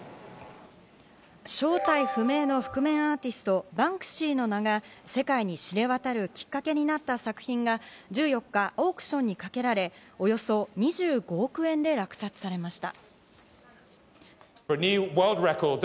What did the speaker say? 正体不明の覆面アーティスト、バンクシーの名が世界に知れ渡るきっかけになった作品が１４日、オークションにかけられ、およそ２５億円で落札されました。